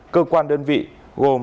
cơ quan đơn vị gồm